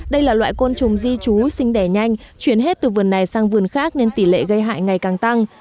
đây là loại côn trùng di chú sinh đẻ nhanh chuyển hết từ vườn này sang vườn khác nên tỷ lệ gây hại ngày càng tăng